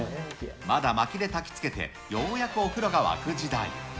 まだ、まきでたきつけて、ようやくお風呂が沸く時代。